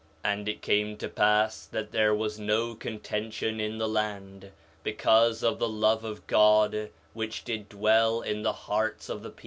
4 Nephi 1:15 And it came to pass that there was no contention in the land, because of the love of God which did dwell in the hearts of the people.